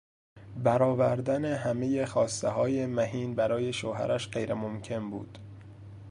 برآوردن همهی خواستههای مهین برای شوهرش غیر ممکن بود.